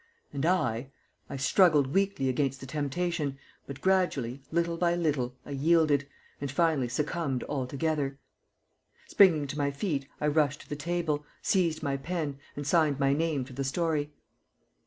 And I I struggled weakly against the temptation, but gradually, little by little, I yielded, and finally succumbed altogether. Springing to my feet, I rushed to the table, seized my pen, and signed my name to the story.